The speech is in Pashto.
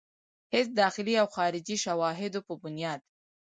هيڅ داخلي او خارجي شواهدو پۀ بنياد